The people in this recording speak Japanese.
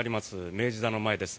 明治座の前です。